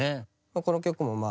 この曲ももうまあ